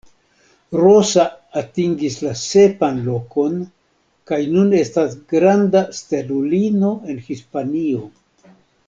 Rosa atingis la sepan lokon kaj nun estas granda stelulino en Hispanio.